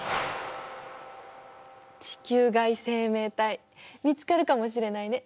地球外生命体見つかるかもしれないね。